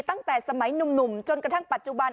ตั้งแต่สมัยหนุ่มจนกระทั่งปัจจุบัน